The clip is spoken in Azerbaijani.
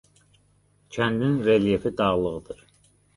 Kəndin relyefi dağlıqdır.